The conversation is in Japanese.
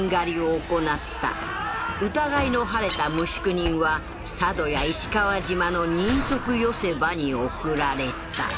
疑いの晴れた無宿人は佐渡や石川島の人足寄場に送られた